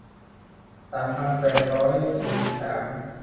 สามพันแปดร้อยสี่สิบสาม